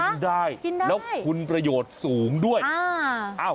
กินได้แล้วคุณประโยชน์สูงด้วยอ่า